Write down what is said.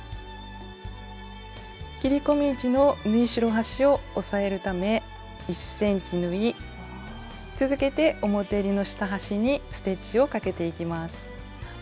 切り込み位置の縫い代端を押さえるため１ｃｍ縫い続けて表えりの下端にステッチをかけていきます。